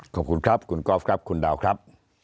ขอบคุณครับคุณกอล์ฟครับคุณดาวครับ